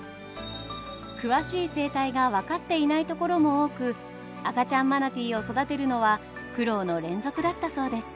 詳しい生態が分かっていないところも多く赤ちゃんマナティーを育てるのは苦労の連続だったそうです。